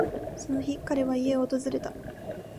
その日、彼の家を訪れた。